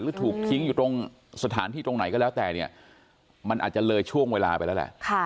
ถูกทิ้งอยู่ตรงสถานที่ตรงไหนก็แล้วแต่เนี่ยมันอาจจะเลยช่วงเวลาไปแล้วแหละ